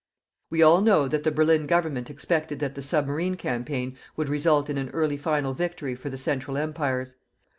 We all know that the Berlin Government expected that the submarine campaign would result in an early final victory for the Central Empires.